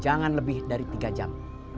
jangan lebih dari tiga jam